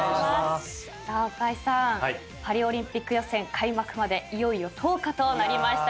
若井さんパリオリンピック予選開幕までいよいよ１０日となりました。